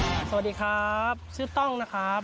สวัสดีครับชื่อต้องนะครับ